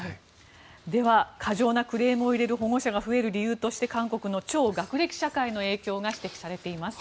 では過剰なクレームを入れる保護者が増える理由として韓国の超学歴社会の影響が指摘されています。